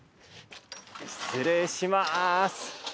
失礼します。